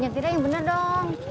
nyantirnya yang bener dong